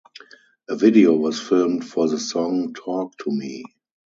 A video was filmed for the song "Talk To Me".